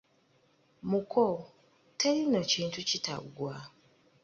Muko, teri nno kintu kitaggwa.